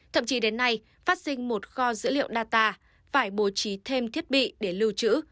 thậm chí đến nay phát sinh một kho dữ liệu data phải bố trí thêm thiết bị để lưu trữ